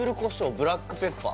ブラックペッパー？